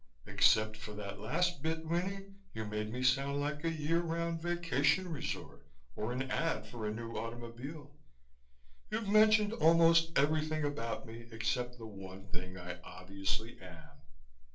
"Except for that last bit, Winnie, you made me sound like a year round vacation resort or an ad for a new automobile. You've mentioned almost everything about me except the one thing I obviously am."